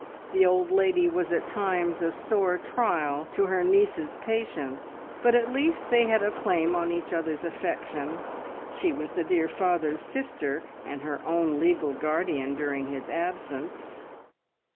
The old lady was at times a sore trial to her niece's patience, but at least they had a claim on each other's affection; she was the dear father's sister, and her own legal guardian during his absence!